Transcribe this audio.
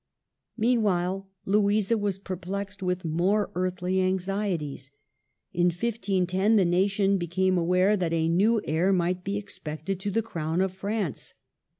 Meanwhile Louisa was perplexed with more earthly anxieties. In 15 10 the nation became aware that a new heir might be expected to the Crown of France.